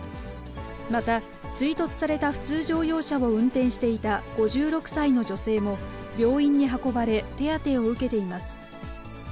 また、追突された普通乗用車を運転していた５６歳の女性も、病院に運ばれ、手当てを受けています。